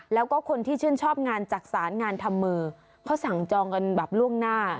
แล้วก็คนที่ชื่นชอบงานจักษานงานทำมือเขาสั่งจองกันแบบล่วงหน้า